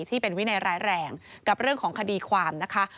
ที่เป็นวินัยร้ายแรงกับเรื่องของคดีความนะคะ